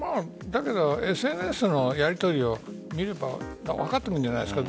だけどＳＮＳのやりとりを見れば分かってくるんじゃないですか。